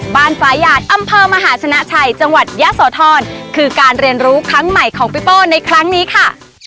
ฟ้าหยาดอำเภอมหาชนะชัยจังหวัดยะโสธรคือการเรียนรู้ครั้งใหม่ของพี่โป้ในครั้งนี้ค่ะ